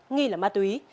nghi là ma túy